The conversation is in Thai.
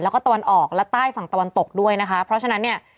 แล้วก็ตะวันออกและใต้ฝั่งตะวันตกด้วยนะคะเพราะฉะนั้นเนี่ย